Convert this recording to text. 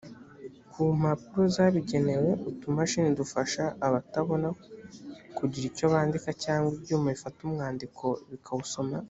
ku mpapuro zabigenewe utumashini dufasha abatabona kugira icyo bandika cyangwa ibyuma bifata umwandiko bikawusoma